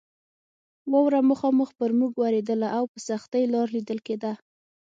واوره مخامخ پر موږ ورېدله او په سختۍ لار لیدل کېده.